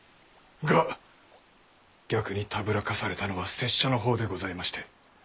が逆にたぶらかされたのは拙者の方でございまして。